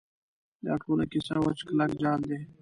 دا ټوله کیسه وچ کلک جعل دی.